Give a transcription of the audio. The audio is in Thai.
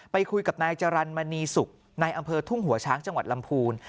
ไปคุยกับนายจรรย์มณีสุขในอำเภอทุ่งหัวช้างจังหวัดลำพูน